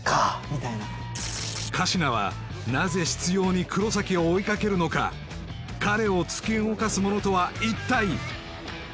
みたいな神志名はなぜ執拗に黒崎を追いかけるのか彼を突き動かすものとは一体？